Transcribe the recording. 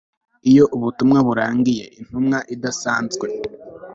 iyo ubutumwa burangiye intumwa idasanzwe